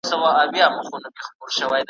لکه غشې هسي تښتي له مکتبه ,